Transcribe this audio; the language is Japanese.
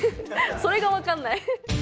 それが分からない。